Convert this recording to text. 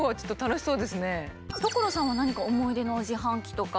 所さんは何か思い出の自販機とか。